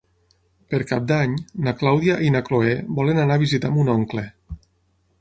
Per Cap d'Any na Clàudia i na Cloè volen anar a visitar mon oncle.